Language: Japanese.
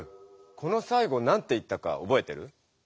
このさいごなんて言ったかおぼえてる？